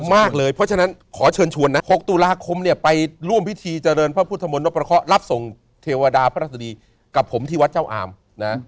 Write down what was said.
มากเลยเพราะฉะนั้นขอเชิญชวนนะ๖ตุลาคมเนี่ยไปร่วมพิธีเจริญพระพุทธมนตประเคาะรับส่งเทวดาพระราชดีกับผมที่วัดเจ้าอามนะ